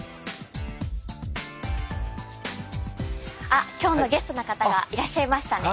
あ今日のゲストの方がいらっしゃいましたね。